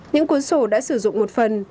những cuốn sổ đã sử dụng một phần